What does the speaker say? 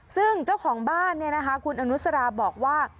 ซึ่งเจ้าของบ้านคุณอนุสราบอกว่า